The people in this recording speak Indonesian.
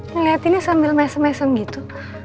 ngeliat ini sambil mesem mesem gitu